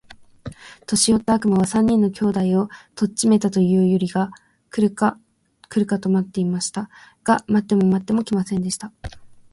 年よった悪魔は、三人の兄弟を取っちめたと言うたよりが来るか来るかと待っていました。が待っても待っても来ませんでした。